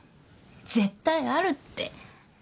絶対あるって。